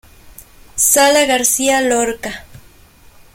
Sala García Lorca.